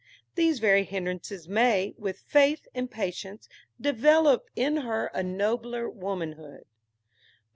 These very hindrances may, with faith and patience, develop in her a nobler womanhood.